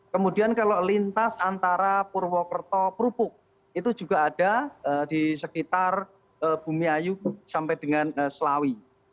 kemudian kalau lintas antara purwokerto perupuk itu juga ada di sekitar bumi ayu sampai dengan selawi